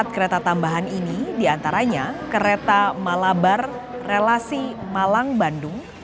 empat kereta tambahan ini diantaranya kereta malabar relasi malang bandung